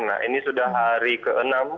nah ini sudah hari ke enam